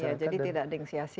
iya jadi tidak dengsiasi ya